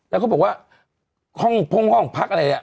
แล้วเขาบอกว่าห้องพักอะไรเนี่ย